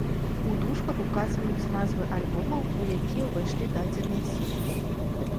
У дужках указваюцца назвы альбомаў, у якія ўвайшлі дадзеныя сінглы.